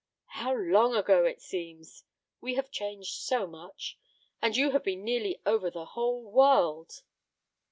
"How long ago it seems! We have changed so much! And you have been nearly over the whole world!"